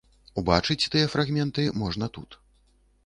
Убачыць тыя фрагменты можна тут.